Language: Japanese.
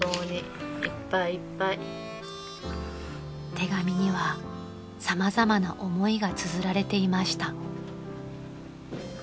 ［手紙には様々な思いがつづられていました］